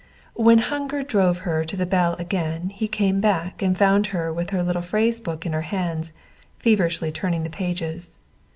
When hunger drove her to the bell again he came back and found her with her little phrase book in her hands, feverishly turning the pages.